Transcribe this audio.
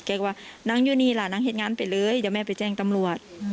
แกก็ว่านั่งอยู่นี่ล่ะนางเห็นงานไปเลยเดี๋ยวแม่ไปแจ้งตำรวจ